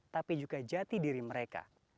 tapi juga jati diri mereka